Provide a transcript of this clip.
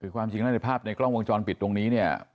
คือความจริงแล้วในภาพในกล้องวงจรปิดตรงนี้เนี่ย